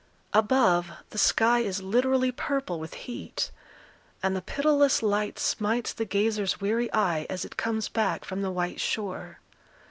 Above, the sky is literally purple with heat; and the pitiless light smites the gazer's weary eye as it comes back from the white shore.